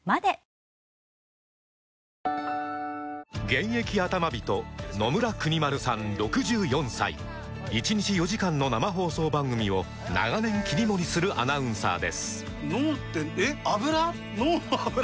現役アタマ人野村邦丸さん６４歳１日４時間の生放送番組を長年切り盛りするアナウンサーです